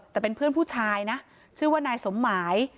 แต่เป็นเพื่อนผู้ชายนะชื่อว่านายสมหมาย